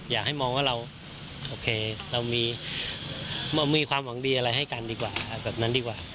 อยากให้มองว่าเราโอเคเรามีความหวังดีอะไรให้กันดีกว่าแบบนั้นดีกว่า